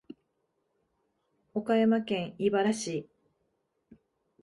岡山県井原市